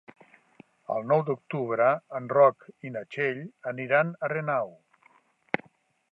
El nou d'octubre en Roc i na Txell aniran a Renau.